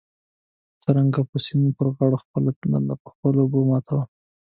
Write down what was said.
څرنګه به د سیند پر غاړه خپله تنده په خپلو اوبو ماتوو.